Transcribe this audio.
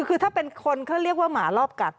คือถ้าเป็นคนเขาเรียกว่าหมารอบกัด